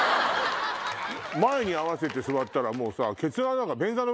前に合わせて座ったらもう。